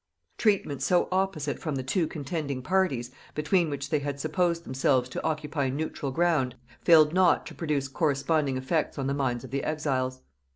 Treatment so opposite from the two contending parties, between which they had supposed themselves to occupy neutral ground, failed not to produce corresponding effects on the minds of the exiles.